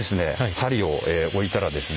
針を置いたらですね